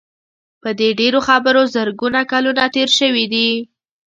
په دې ډېرو خبرو زرګونه کلونه تېر شوي دي.